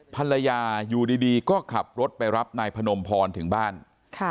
ภรรยาอยู่ดีดีก็ขับรถไปรับนายพนมพรถึงบ้านค่ะ